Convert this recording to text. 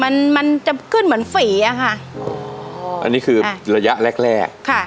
มันมันจะขึ้นเหมือนฝีอ่ะค่ะอันนี้คือระยะแรกแรกค่ะ